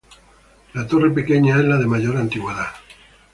La torre pequeña es la de mayor antigüedad.